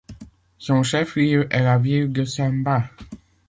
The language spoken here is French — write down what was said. Son chef-lieu est la ville de Samba.